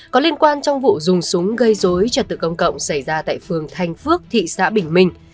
có liên quan trong vụ dùng súng gây dối trật tự công cộng xảy ra tại phường thanh phước thị xã bình minh